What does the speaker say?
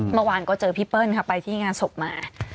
เมื่อวานก็เจอพี่เปิ้ลค่ะไปที่งานศพมา